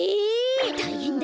たいへんだ！